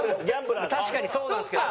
確かにそうなんですけど。